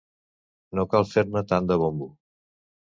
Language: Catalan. No cal fer-ne tant de bombo.